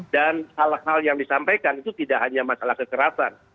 dan hal hal yang disampaikan itu tidak hanya masalah kekerasan